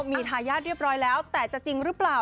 มีทายาทเรียบร้อยแล้วแต่จะจริงหรือเปล่า